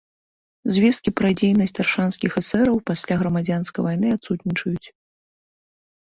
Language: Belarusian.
Звесткі пра дзейнасць аршанскіх эсэраў пасля грамадзянскай вайны адсутнічаюць.